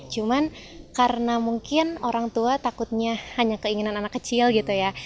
cuman karena mungkin orang tua takutnya hanya keinginan anak kecil gitu ya